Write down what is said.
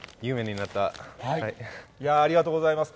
いやー、ありがとうございます。